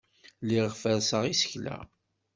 Lliɣ ferrseɣ isekla.